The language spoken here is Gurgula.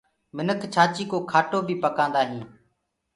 منک ڇآچيٚ ڪو کاٽو بيٚ پڪآندآ هينٚ۔